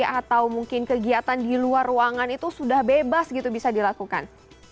atau mungkin kegiatan di luar ruangan itu sudah bebas gitu bisa dilakukan